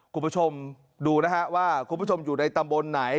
คุณผู้ชมดูนะฮะว่าคุณผู้ชมอยู่ในตำบลไหน